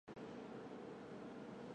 现在还有人会买报纸吗？